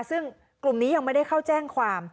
ซึ่งกลุ่มนี้ยังไม่ได้เข้าแจ้งความ